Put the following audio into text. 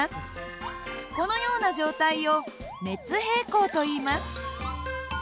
このような状態を熱平衡といいます。